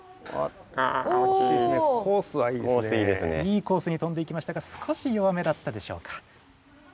いいコースにとんでいきましたが少し弱めだったでしょうか。